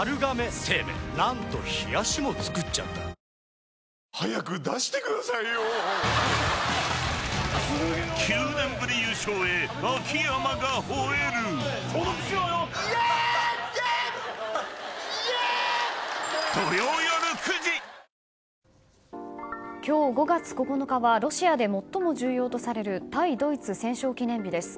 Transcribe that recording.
生しょうゆはキッコーマン今日５月９日はロシアで最も需要とされる対ドイツ戦勝記念日です。